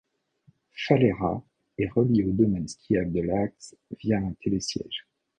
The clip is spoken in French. Falera est reliée au domaine skiable de Laax via un télésiège.